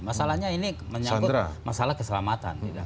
masalahnya ini menyangkut masalah keselamatan